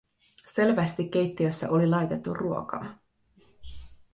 Selvästi keittiössä oli laitettu ruokaa.